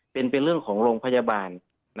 เป็นเรื่องของโรงพยาบาล